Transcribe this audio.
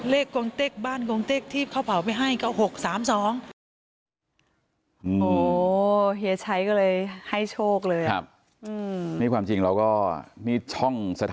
กงเต็กบ้านกงเต็กที่เขาเผาไปให้ก็๖๓๒